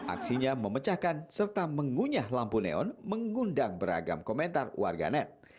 aksinya memecahkan serta mengunyah lampu neon mengundang beragam komentar warganet